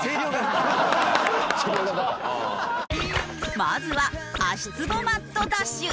まずは足ツボマットダッシュ。